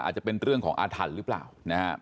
อาจจะเป็นเรื่องของอาถรรพ์หรือเปล่านะครับ